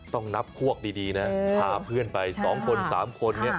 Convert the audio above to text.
ต้องนับพวกดีนะพาเพื่อนไป๒คน๓คนนี้